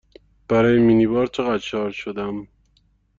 برای مینی بار چقدر شارژ شدم؟